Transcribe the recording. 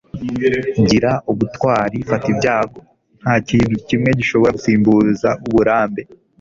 gira ubutwari fata ibyago nta kintu na kimwe gishobora gusimbuza uburambe